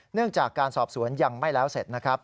จากการสอบสวนยังไม่แล้วเสร็จนะครับ